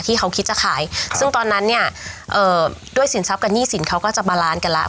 ที่เขาคิดจะขายซึ่งตอนนั้นเนี่ยเอ่อด้วยสินทรัพย์กับหนี้สินเขาก็จะบาลานซ์กันแล้ว